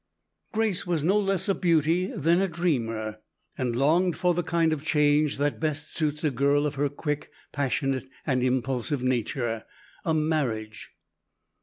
Grace was no less a beauty than a dreamer, and longed for the kind of change that best suits a girl of her quick, passionate, and impulsive nature a marriage.